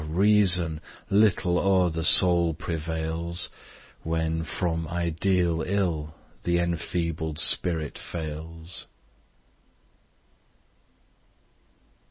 Reason little o'er the soul prevails, When, from ideal ill, the enfeebled spirit fails!